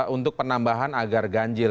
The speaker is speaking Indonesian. untuk penambahan agar ganjil